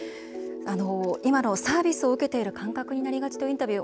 今のサービスを受けている感覚になりがちというインタビュー